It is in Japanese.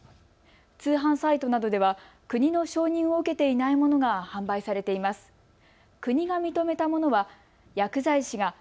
通販サイトなどでは国の承認を受けていないものが販売されています。